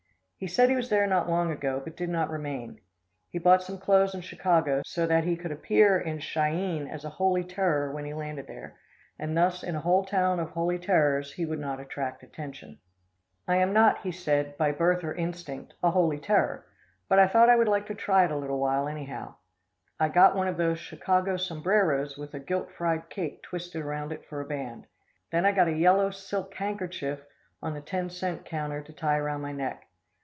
He said he was there not long ago, but did not remain. He bought some clothes in Chicago, so that he could appear in Chi eene as a "holy terror" when he landed there, and thus in a whole town of "holy terrors" he would not attract attention. I am not, said he, by birth or instinct, a holy terror, but I thought I would like to try it a little while, anyhow. I got one of those Chicago sombreros with a gilt fried cake twisted around it for a band. Then I got a yellow silk handkerchief on the ten cent counter to tie around my neck.